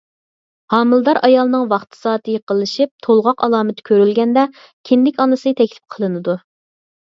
ھامىلىدار ئايالنىڭ ۋاقتى-سائىتى يېقىنلىشىپ تولغاق ئالامىتى كۆرۈلگەندە، كىندىك ئانىسى تەكلىپ قىلىنىدۇ.